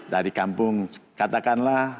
dari kampung katakanlah